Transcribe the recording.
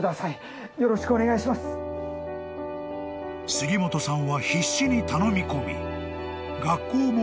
［杉本さんは必死に頼み込み］